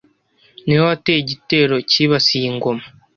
niwe wateye igitero cyibasiye Ingoma